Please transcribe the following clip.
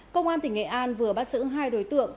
công an tp đắc lắc vừa bắt xử hai đối tượng